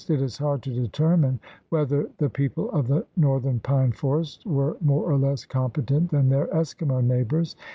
It is hard to deter mine whether the people of the northern pine forest were more or less competent than their Eskimo neighbors.